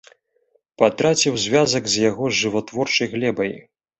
Патраціў звязак з яго жыватворчай глебай.